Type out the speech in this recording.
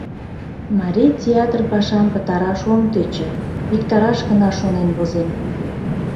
Марий театр пашам пытараш ом тӧчӧ, виктараш гына шонен возем.